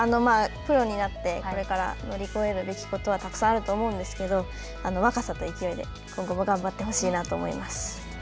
プロになってこれから乗り越えるべきことはたくさんあると思うんですけれども、若さと勢いで今後も頑張ってほしいなと思います。